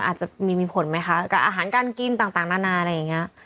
อาจจะมีผลไหมคะกับอาหารการกินต่างนานาอะไรอย่างนี้